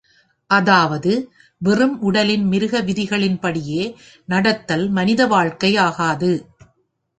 அதாவது, வெறும் உடலின் மிருக விதிகளின்படியே நடத்தல் மனித வாழ்க்கை ஆகாது.